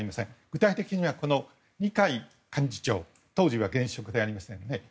具体的には二階幹事長当時は現職でありましたよね。